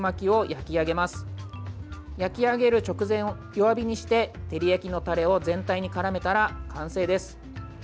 焼き上げる直前、弱火にして照り焼きのタレを全体に絡めたら完成です。